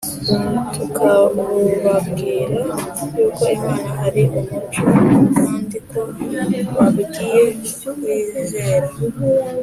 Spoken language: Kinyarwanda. tukabubabwira yuko Imana ari umucyo kandi ko bakwiye kuyizera